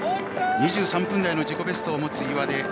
２３分台の自己ベストを持つ岩出